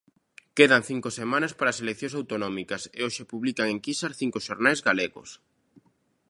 Quedan cinco semanas para as eleccións autonómicas e hoxe publican enquisas cinco xornais galegos.